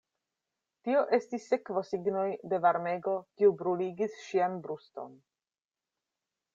Tio estis sekvosignoj de varmego, kiu bruligis ŝian bruston.